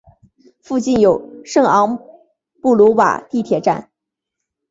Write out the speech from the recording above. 附近有圣昂布鲁瓦地铁站。